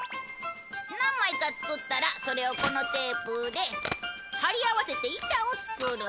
何枚か作ったらそれをこのテープで貼り合わせて板を作る。